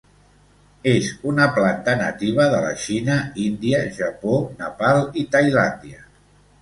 És una planta nativa de la Xina, Índia, Japó Nepal i Tailàndia.